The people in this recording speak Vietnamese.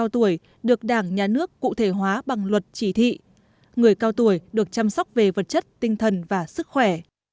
trên bảy trăm tám mươi người cao tuổi được chăm sóc về vật chất tinh thần và sức khỏe